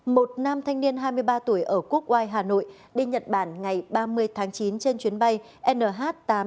một nam thanh niên hai mươi ba tuổi ở quốc ngoài hà nội đi nhật bản ngày ba mươi chín trên chuyến bay nh tám trăm chín mươi tám